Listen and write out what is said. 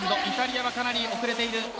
イタリアがかなり遅れている。